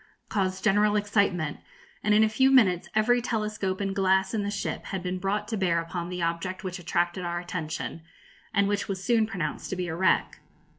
caused general excitement, and in a few minutes every telescope and glass in the ship had been brought to bear upon the object which attracted our attention, and which was soon pronounced to be a wreck.